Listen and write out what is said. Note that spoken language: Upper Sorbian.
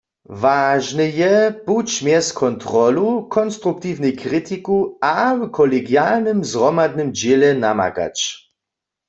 Wažne je, puć mjez kontrolu, konstruktiwnej kritiku a w kolegialnym zhromadnym dźěle namakać.